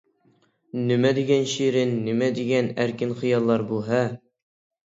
نېمە دېگەن شېرىن، نېمە دېگەن ئەركىن خىياللار بۇ-ھە؟ .